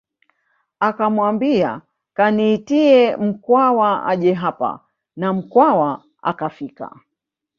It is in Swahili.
Akamwambia kaniitie Mkwawa aje hapa na Mkwawa akafika